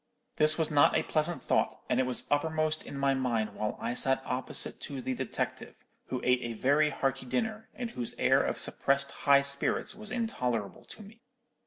"This was not a pleasant thought, and it was uppermost in my mind while I sat opposite to the detective, who ate a very hearty dinner, and whose air of suppressed high spirits was intolerable to me.